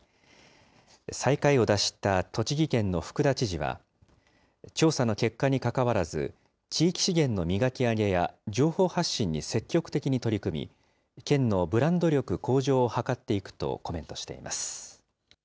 最下位を脱した栃木県の福田知事は、調査の結果にかかわらず、地域資源の磨き上げや情報発信に積極的に取り組み、県のブランド力向上を図っていくとコメントしています。